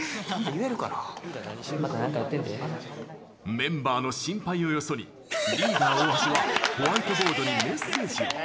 メンバーの心配をよそにリーダー・大橋はホワイトボードにメッセージを。